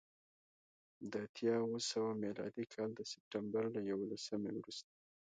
د اتیا اوه سوه میلادي کال د سپټمبر له یوولسمې وروسته